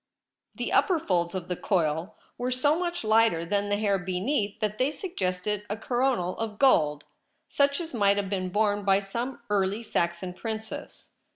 The upper folds of the coil were so much lighter than the hair beneath that they sug gested a coronal of gold, such as might have been borne by some early Saxon princess.